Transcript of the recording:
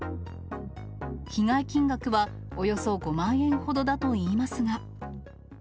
被害金額はおよそ５万円ほどだといいますが。